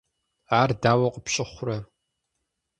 Ар дауэ къыпщыхъурэ?